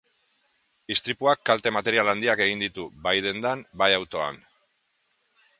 Istripuak kalte material handiak egin ditu, bai dendan, bai autoan.